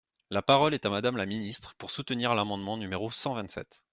La parole est à Madame la ministre, pour soutenir l’amendement numéro cent vingt-sept.